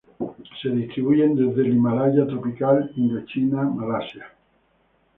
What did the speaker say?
Se distribuyen desde el Himalaya tropical, Indochina, Malasia.